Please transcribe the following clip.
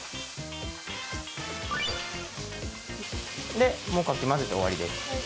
でもうかき混ぜて終わりです。